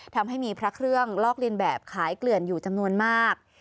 ทำให้มีพระเครื่องลอกเลียนแบบขายเกลื่อนอยู่จำนวนมาก